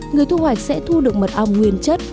người thu hoạch sẽ thu được mật ong nguyên chất